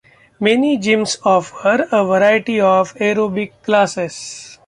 Many gyms offer a variety of aerobic classes.